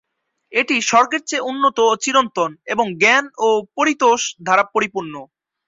এটি স্বর্গের চেয়ে উন্নত ও চিরন্তন, এবং জ্ঞান ও পরিতোষ দ্বারা পরিপূর্ণ।